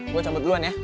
gue cabut duluan ya